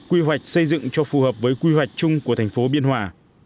quy hoạch xây dựng cho phù hợp với quy hoạch chung của tp biên hòa